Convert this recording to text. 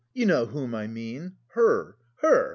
You know whom I mean? Her, her!"